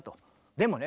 でもね